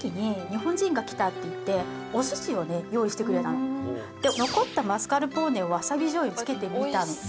これ私ねで残ったマスカルポーネをわさびじょうゆにつけてみたの。